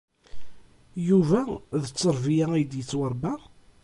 Yuba d tteṛbeyya ay d-yettwaṛebba?